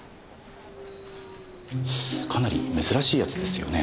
かなり珍しいやつですよね？